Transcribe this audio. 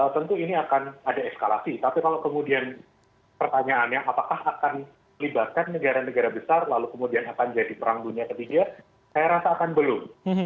tentu ini akan ada eskalasi tapi kalau kemudian pertanyaannya apakah akan melibatkan negara negara besar lalu kemudian akan jadi perang dunia ketiga saya rasa akan belum